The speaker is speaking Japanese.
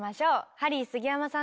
ハリー杉山さんです。